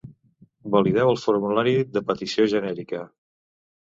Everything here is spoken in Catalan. Valideu el formulari de Petició genèrica.